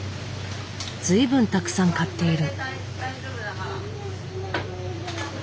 随分たくさん買っている。